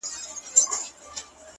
سیاه پوسي ده!! خُم چپه پروت دی!!